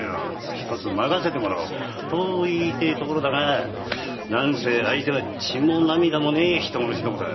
ひとつ任せてもらおう。と言いてえところだがなんせ相手は血も涙もねえ人殺しどもだ。